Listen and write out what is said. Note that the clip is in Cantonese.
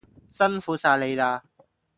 辛苦晒你喇